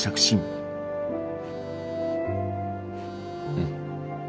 うん。